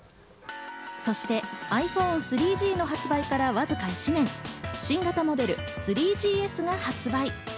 そしてｉＰｈｏｎｅ３Ｇの発売からわずか１年、新型モデル３ＧＳが発売。